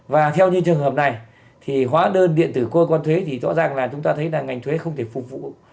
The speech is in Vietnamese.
và theo những trường hợp này thì hóa đơn điện tử cơ quan thuế thì rõ ràng là chúng ta thấy là ngành thuế không thể phục vụ